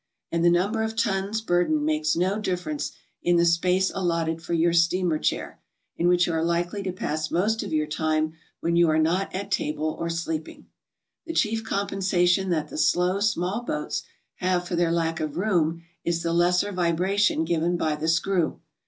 And the number of tons burden makes no difference in the space allotted for your steamer chair, in which you are likely to pass most of your time when you are not at table or sleep ing. The chief compensation that the slow, small boats have for their lack of room is the lesser vibration given by the screw.